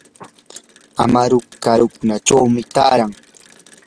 amaru qarakunachawmi taaran.